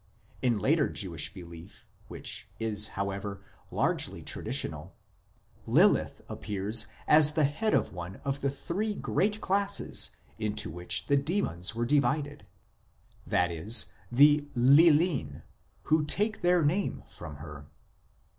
3 In later Jewish belief, which is, however, largely traditional, Lilith appears as the head of one of the three great classes into which the demons are divided, viz. the Lilm, who take their name from her.